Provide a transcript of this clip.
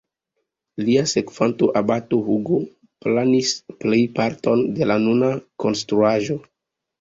Lia sekvanto, abato Hugo, planis plejparton de la nuna konstruaĵo.